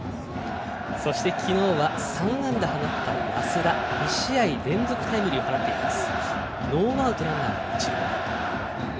昨日は３安打放った安田２試合連続タイムリーを放っています。